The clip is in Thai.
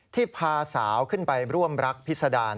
ที่พาสาวคึ้นไปร่วมรักภิษดาน